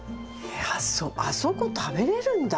えっあそこ食べれるんだ。